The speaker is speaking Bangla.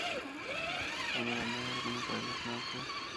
আমার রান্নাঘর কোনো টয়লেট না, ওকে?